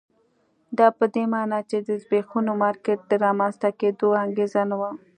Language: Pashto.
دا په دې معنی چې د زبېښونکي مارکېټ د رامنځته کېدو انګېزه نه وه.